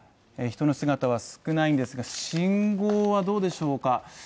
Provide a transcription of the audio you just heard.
人の姿は少ないんですが信号はどうでしょうか？